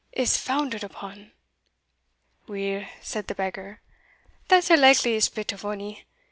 is founded upon." "Weel," said the beggar, "that's the likeliest bit of ony.